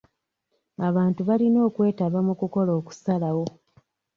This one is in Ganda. Abantu balina okwetaba mu kukola okusalawo.